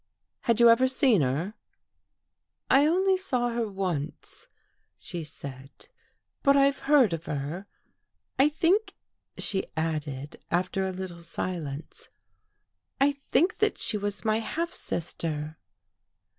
Had you ever seen her? "" I only saw her once," she said, " but I've heard of her. I think," she added after a little silence, " I think that she was my half sister."